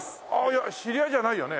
いや知り合いじゃないよね？